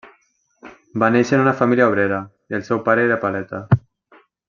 Va néixer en una família obrera, el seu pare era paleta.